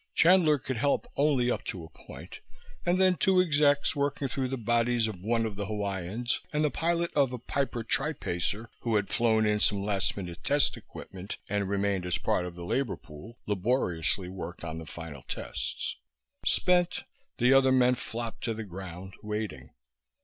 Chandler could help only up to a point, and then two execs, working through the bodies of one of the Hawaiians and the pilot of a Piper Tri Pacer who had flown in some last minute test equipment and remained as part of the labor pool laboriously worked on the final tests. Spent, the other men flopped to the ground, waiting.